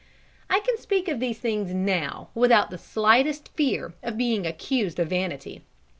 I can speak of these things now without the slightest fear of being accused of vanity.